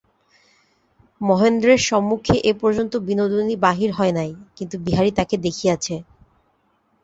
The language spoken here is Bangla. মহেন্দ্রের সম্মুখে এ পর্যন্ত বিনোদিনী বাহির হয় নাই, কিন্তু বিহারী তাহাকে দেখিয়াছে।